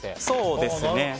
そうですね。